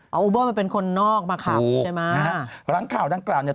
เอาอูเบอร์มาเป็นคนนอกมาขับใช่ไหมครับถูกนะครับหลังข่าวด้านกลาง